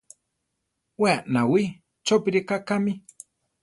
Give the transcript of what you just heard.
We aʼnawí, chópi rʼeká kámi.